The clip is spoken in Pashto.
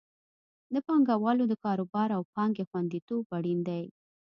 د پانګوالو د کاروبار او پانګې خوندیتوب اړین دی.